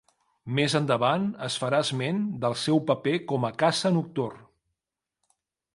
Més endavant es farà esment del seu paper com a caça nocturn.